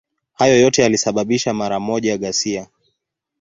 Hayo yote yalisababisha mara moja ghasia.